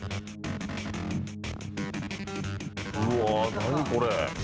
「うわあ何？これ」